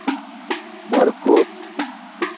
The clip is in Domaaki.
برکوت